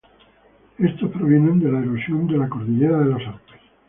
Estos provienen de la erosión de la cordillera de los Alpes.